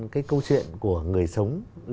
cái câu chuyện của người sống